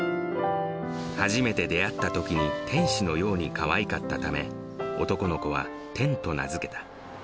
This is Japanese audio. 初めて出会ったときに天使のようにかわいかったため、男の子は天と名付けた。